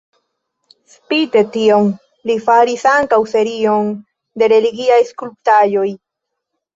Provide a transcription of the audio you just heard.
Spite tion, li faris ankaŭ serion de religiaj skulptaĵoj.